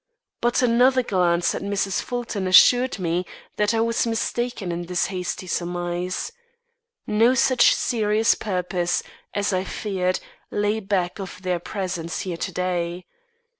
But another glance at Mrs. Fulton assured me that I was mistaken in this hasty surmise. No such serious purpose, as I feared, lay back of their presence here to day.